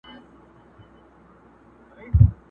په ګاونډ کي پاچاهان او دربارونه؛